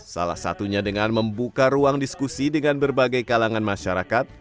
salah satunya dengan membuka ruang diskusi dengan berbagai kalangan masyarakat